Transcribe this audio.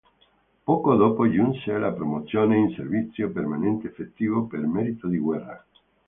Poco dopo giunse la promozione in servizio permanente effettivo per merito di guerra.